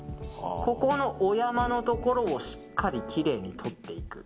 ここのお山のところをしっかりきれいにとっていく。